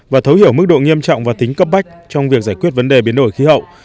và thấu hiểu mức độ nghiêm trọng và tính cấp bách trong việc giải quyết vấn đề biến đổi khí hậu